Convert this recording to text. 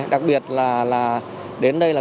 đặc biệt là đến đây